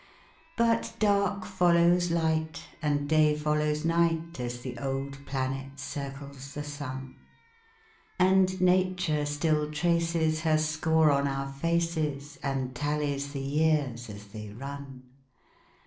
But dark follows light And day follows night As the old planet circles the sun; And nature still traces Her score on our faces And tallies the years as they run.